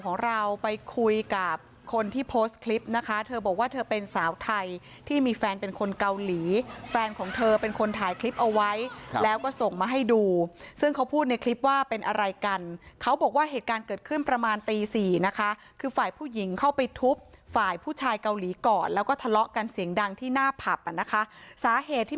ของเราไปคุยกับคนที่โพสต์คลิปนะคะเธอบอกว่าเธอเป็นสาวไทยที่มีแฟนเป็นคนเกาหลีแฟนของเธอเป็นคนถ่ายคลิปเอาไว้แล้วก็ส่งมาให้ดูซึ่งเขาพูดในคลิปว่าเป็นอะไรกันเขาบอกว่าเหตุการณ์เกิดขึ้นประมาณตีสี่นะคะคือฝ่ายผู้หญิงเข้าไปทุบฝ่ายผู้ชายเกาหลีก่อนแล้วก็ทะเลาะกันเสียงดังที่หน้าผับอ่ะนะคะสาเหตุที่